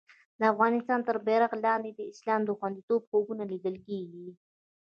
د افغانستان تر بېرغ لاندې د اسلام د خوندیتوب خوبونه لیدل کېږي.